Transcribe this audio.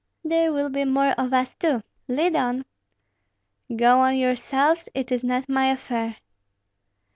"There will be more of us too; lead on!" "Go on yourselves; it is not my affair."